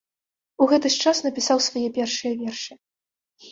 У гэты ж час напісаў свае першыя вершы.